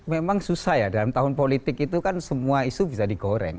memang susah ya dalam tahun politik itu kan semua isu bisa digoreng